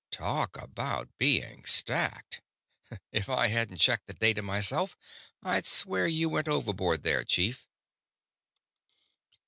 "Talk about being STACKED! If I hadn't checked the data myself I'd swear you went overboard there, chief."